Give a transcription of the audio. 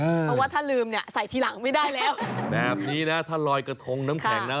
เพราะว่าถ้าลืมเนี่ยใส่ทีหลังไม่ได้แล้วแบบนี้นะถ้าลอยกระทงน้ำแข็งนะ